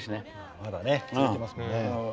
まだ続いてますからね。